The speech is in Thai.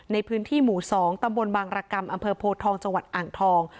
ในพื้นที่หมู่๒ตำบลบางรกรรมอำเภอโพทองจังหวัดอ่างทอง